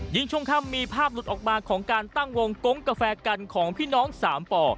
ช่วงค่ำมีภาพหลุดออกมาของการตั้งวงกงกาแฟกันของพี่น้องสามป่อ